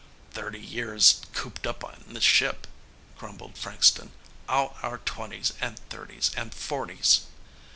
"Thirty years cooped up in this ship," grumbled Frankston. "All our twenties and thirties and forties